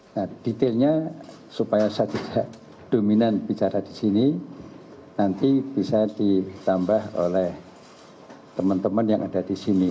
nah detailnya supaya saya tidak dominan bicara di sini nanti bisa ditambah oleh teman teman yang ada di sini